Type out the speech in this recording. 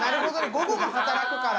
午後も働くから。